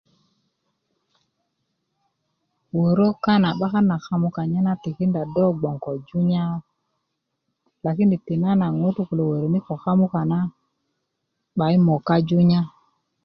wörö kana 'bakan na kamuka nye na tikinda do moka junya lakini tiyanana ɲutu kulo wöröni ko kamuka na 'bay moka junya